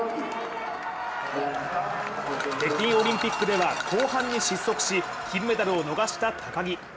北京オリンピックでは後半に失速し金メダルを逃した高木。